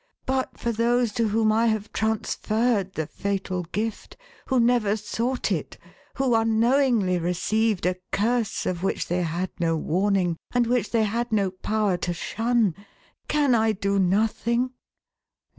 But for those to whom I have transferred the fatal gift ; who never sought it ; who unknowingly received a curse of which they had no warning, and which they had no power to shun ; can I do nothing